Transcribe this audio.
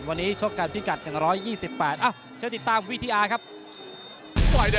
วันนี้ชกกันพี่กัด๑๒๘